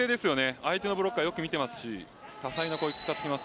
相手のブロックをよく見ていますし多彩な攻撃を使ってきます。